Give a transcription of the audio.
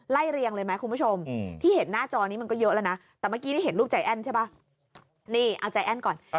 ไล่เรียงเลยมั้ยคุณผู้ชมที่เห็นหน้าจอนี้มันก็เยอะอะนะแต่เมื่อกี้เห็นลูกใหญ่แอ้นใช่ปะ